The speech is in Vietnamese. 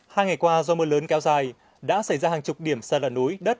hai ngày qua do mưa lớn kéo dài đã xảy ra hàng chục điểm sạt lở núi đất